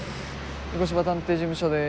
御子柴探偵事務所です。